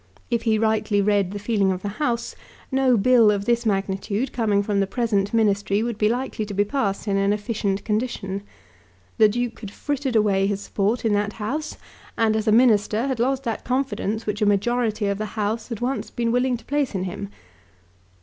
If he rightly read the feeling of the House, no Bill of this magnitude coming from the present Ministry would be likely to be passed in an efficient condition. The Duke had frittered away his support in that House, and as a Minister had lost that confidence which a majority of the House had once been willing to place in him.